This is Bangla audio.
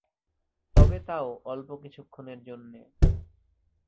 তবে তাও অল্প কিছুক্ষণের জন্যে।